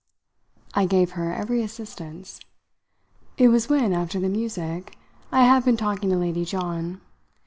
I gave her every assistance. "It was when, after the music, I had been talking to Lady John.